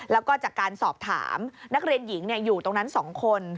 แล้วก็จากการสอบถามนักเรียนหญิงอยู่ตรงนั้น๒คน